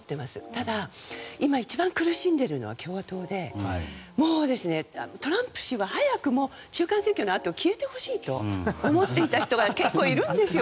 ただ、一番苦しんでいるのは共和党でもう、トランプ氏には早く中間選挙のあとに消えてほしいと思っていた人が結構いるんですよ。